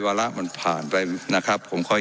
ไม่ได้เป็นประธานคณะกรุงตรี